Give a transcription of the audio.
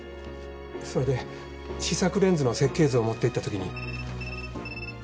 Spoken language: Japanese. それで試作レンズの設計図を持っていったときに。